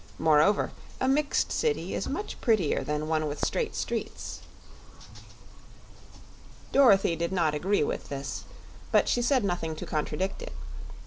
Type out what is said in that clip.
Moreover, a mixed city is much prettier than one with straight streets." Dorothy did not agree with this, but she said nothing to contradict it.